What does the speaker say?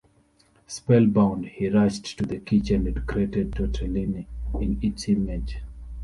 Spellbound, he rushed to the kitchen and created tortellini in its image.